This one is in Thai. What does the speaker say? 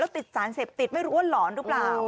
ติดสารเสพติดไม่รู้ว่าหลอนหรือเปล่า